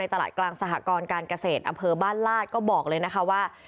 ตลาดกลางสหกรการเกษตรอำเภอบ้านลาดก็บอกเลยนะคะว่า